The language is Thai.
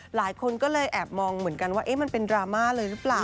หลายคนก็เลยแอบมองเหมือนกันว่ามันเป็นดราม่าเลยหรือเปล่า